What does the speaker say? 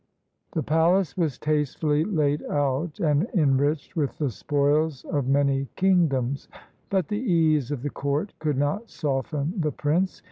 The palace was tastefully laid out, and enriched with the spoils of many kingdoms; but the ease of the court could not soften the prince.